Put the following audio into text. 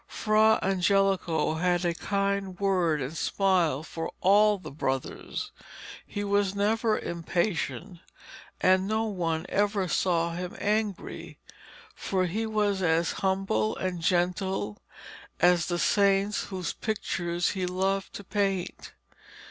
Fra Angelico had a kind word and smile for all the brothers. He was never impatient, and no one ever saw him angry, for he was as humble and gentle as the saints whose pictures he loved to paint.